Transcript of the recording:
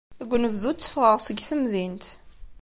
Deg unebdu, tteffɣeɣ seg temdint.